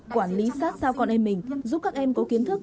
quản lý sát sao con em mình giúp các em có kiến thức